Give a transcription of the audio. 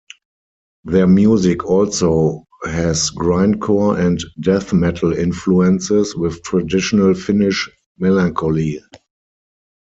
Their music also has grindcore and death metal influences with traditional Finnish melancholy.